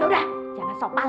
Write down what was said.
udah pulang ya ampun